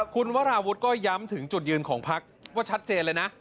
คุณวราวุฒิก็ย้ำถึงจุดยืนของพักว่าชัดเจนเลยนะ